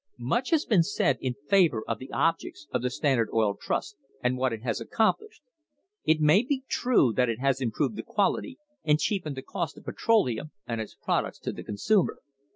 "Much has been said in favour of the objects of the Stand ard Oil Trust and what it has accomplished. It may be true that it has improved the quality and cheapened the cost of petroleum and its products to the consumer.